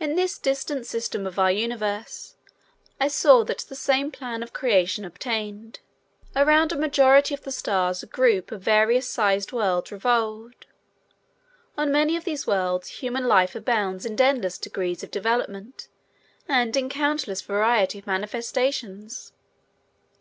In this distant system of our universe I saw that the same plan of creation obtained. Around a majority of the stars a group of various sized worlds revolves. On many of these worlds human life abounds in endless degrees of development and in a countless variety of manifestations.